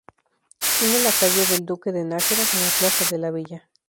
Une la calle del Duque de Nájera con la Plaza de la Villa.